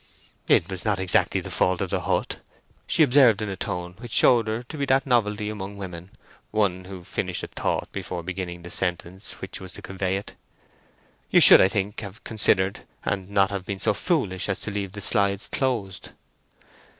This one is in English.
"It was not exactly the fault of the hut," she observed in a tone which showed her to be that novelty among women—one who finished a thought before beginning the sentence which was to convey it. "You should, I think, have considered, and not have been so foolish as to leave the slides closed."